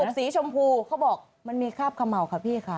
กระปุกสีชมพูเขาบอกมันมีคาบขะเหมาค่ะพี่คะ